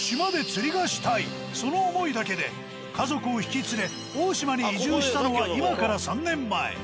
その思いだけで家族を引き連れ大島に移住したのは今から３年前。